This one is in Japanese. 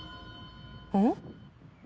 うん？